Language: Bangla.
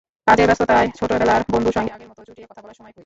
কাজের ব্যস্ততায় ছোটবেলার বন্ধুর সঙ্গে আগের মতো চুটিয়ে কথা বলার সময় কই।